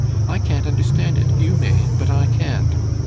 I can't understand it! You may, but I can't!"